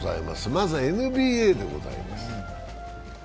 まずはＮＢＡでございます。